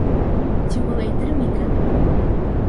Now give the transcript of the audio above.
Тик ул әйтерме икән?